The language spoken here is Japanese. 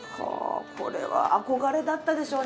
これは憧れだったでしょうね